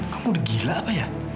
kamu udah gila apa ya